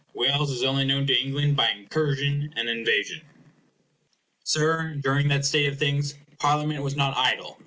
Wales was only known to England by incursion and invasion. Sir, during that state of things, Parliament was not idle.